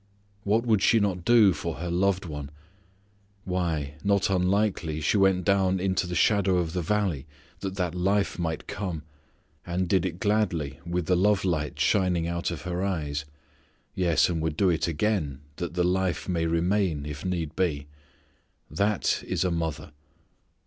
What would she not do for her loved one! Why, not unlikely she went down into the valley of the shadow that that life might come; and did it gladly with the love light shining out of her eyes. Yes, and would do it again, that the life may remain if need be. That is a mother.